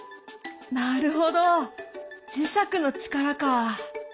なるほど磁石の力かあ。